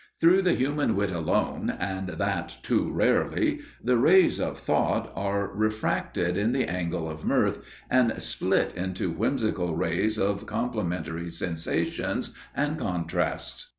Through the human wit alone, and that too rarely, the rays of thought are refracted in the angle of mirth, and split into whimsical rays of complementary sensations and contrasts.